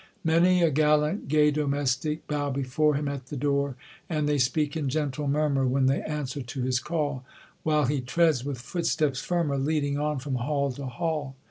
"Many a gallant gay domestic Bow before him at the door; And they speak in gentle murmur When they answer to his call, While he treads with footsteps firmer Leading on from hall to hall.